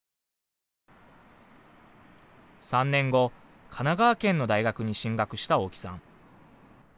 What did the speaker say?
３年後、神奈川県の大学に進学した大木さん。